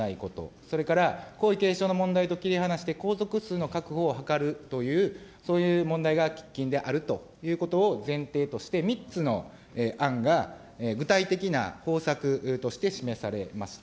それから皇位継承の問題と切り離して、皇族数を確保をはかるという、そういう問題が喫緊であるということを前提として、３つの案が具体的な方策として示されました。